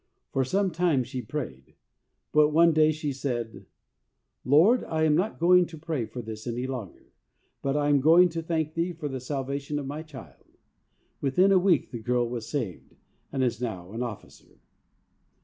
For some time she prayed, but one day she said, ' Lord, I am not going to pray for this any longer, but I am going to thank Thee for the Salvation of my child.' Within a week the girl was saved, and is now an Officer.